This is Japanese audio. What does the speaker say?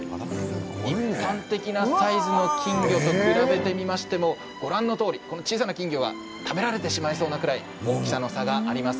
一般的なサイズの金魚と比べてみましてもご覧のとおりこの小さな金魚が食べられてしまいそうなくらい大きさの差があります。